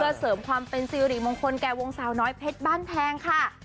เพื่อเสริมความเป็นสิริมงคลแก่วงสาวน้อยเพชรบ้านแพงค่ะ